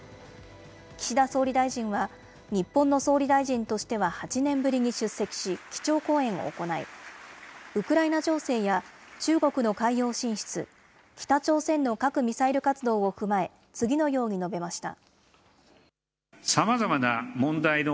岸田総理大臣は、日本の総理大臣としては８年ぶりに出席し、基調講演を行い、ウクライナ情勢や中国の海洋進出、北朝鮮の核・ミサイル活動を踏まえ、次のように述べました。